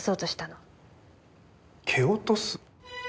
蹴落とす？